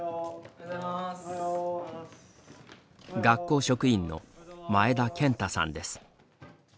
学校職員の前田健太さんです。